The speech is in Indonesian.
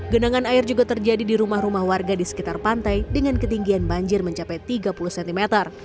genangan air juga terjadi di rumah rumah warga di sekitar pantai dengan ketinggian banjir mencapai tiga puluh cm